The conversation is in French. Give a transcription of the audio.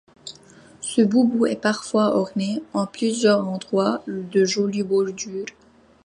Ce boubou est parfois orné, en plusieurs endroits, de jolies bordures.